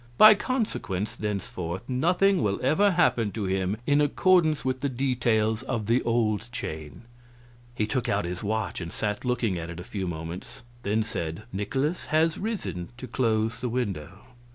By consequence, thenceforth nothing will ever happen to him in accordance with the details of the old chain." He took out his watch and sat looking at it a few moments, then said: "Nikolaus has risen to close the window.